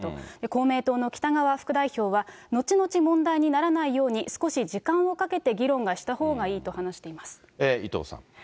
公明党の北側副代表は、後々問題にならないように少し時間をかけて議論はしたほうがいい伊藤さん。